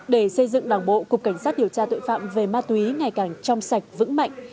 để xây dựng đảng bộ cục cảnh sát điều tra tội phạm về ma túy ngày càng trong sạch vững mạnh